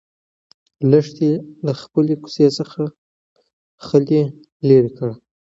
لښتې له خپلې کوڅۍ څخه خلی لرې کړ.